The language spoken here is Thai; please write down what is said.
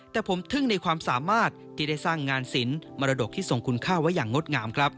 แต่ผมทึ่งในความสามารถที่ได้สร้างงานศิลป์มรดกที่ส่งคุณค่าไว้อย่างงดงามครับ